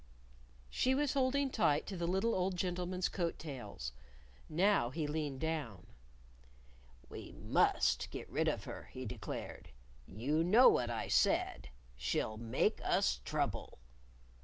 She was holding tight to the little old gentleman's coat tails. Now he leaned down. "We must get rid of her," he declared. "You know what I said. She'll make us trouble!"